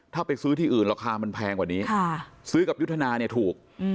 ถ้าไปซื้อที่อื่นราคามันแพงกว่านี้ซื้อกับยุทธนาเนี่ยถูก